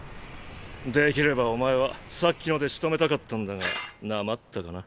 できればお前はさっきのでしとめたかったんだがなまったかな。